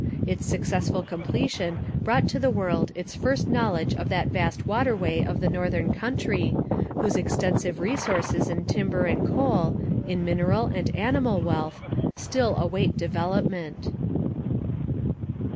Its successful completion brought to the world its first knowledge of that vast waterway of the northern country, whose extensive resources in timber and coal, in mineral and animal wealth, still await development.